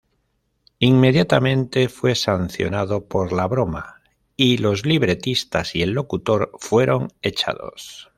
Inmediatamente fue sancionado por la broma, y los libretistas y el locutor fueron echados.